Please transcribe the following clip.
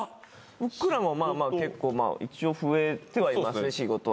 僕らもまあまあ結構一応増えてはいますね仕事は。